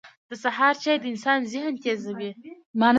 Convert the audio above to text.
• د سهار چای د انسان ذهن تیزوي.